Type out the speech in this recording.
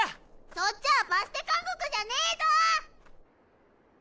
そっちはバステ監獄じゃねぇぞ！